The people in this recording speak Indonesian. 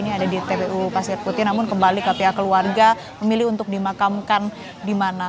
jadi ini ada di tpu pasir putih namun kembali ke pihak keluarga memilih untuk dimakamkan di mana